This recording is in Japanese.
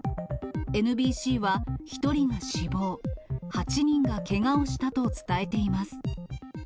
ＮＢＣは、１人が死亡、８人がけがをしたと伝えています。